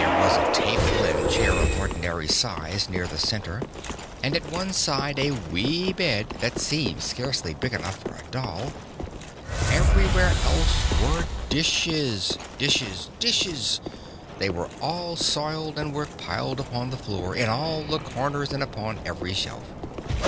There was a table and chair of ordinary size near the center, and at one side a wee bed that seemed scarcely big enough for a doll. Everywhere else were dishes dishes dishes! They were all soiled, and were piled upon the floor, in all the corners and upon every shelf.